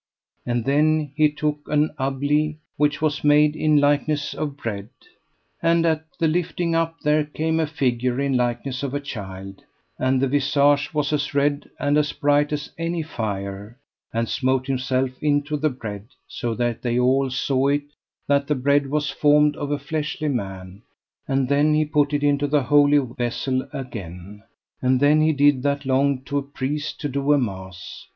And then he took an ubblie which was made in likeness of bread. And at the lifting up there came a figure in likeness of a child, and the visage was as red and as bright as any fire, and smote himself into the bread, so that they all saw it that the bread was formed of a fleshly man; and then he put it into the Holy Vessel again, and then he did that longed to a priest to do to a mass.